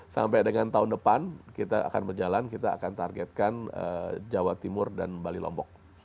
sampai dengan tahun depan kita akan berjalan kita akan targetkan jawa timur dan bali lombok